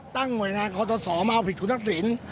ตั้งหน่วยงานคอตสอมาเอาผิดคุณทักษิณ